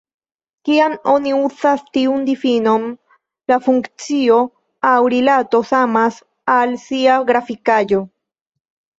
Kiam oni uzas tiun difinon, la funkcio aŭ rilato samas al sia grafikaĵo.